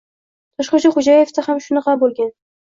Toshxo‘ja Xo‘jayevda ham xuddi shunday bo‘lgan.